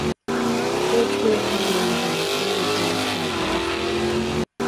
كېچە كۆرۈپ قالىمەن دادامنى، ئۇ بېشىمنى سىلايدۇ ئاستا.